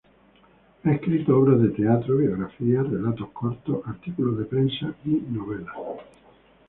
Ha escrito obras de teatro, biografías, relatos cortos, artículos de prensa y novelas.